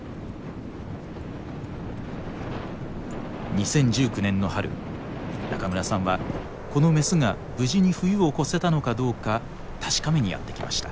２０１９年の春中村さんはこのメスが無事に冬を越せたのかどうか確かめにやって来ました。